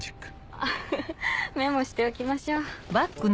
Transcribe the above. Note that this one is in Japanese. アハハメモしておきましょう。